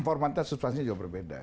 formatnya substansinya juga berbeda